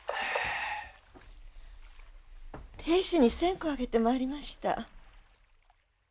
亭主に線香をあげて参りました。